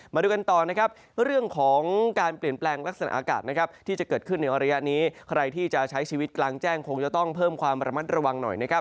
มาดูกันต่อนะครับเรื่องของการเปลี่ยนแปลงลักษณะอากาศนะครับที่จะเกิดขึ้นในระยะนี้ใครที่จะใช้ชีวิตกลางแจ้งคงจะต้องเพิ่มความระมัดระวังหน่อยนะครับ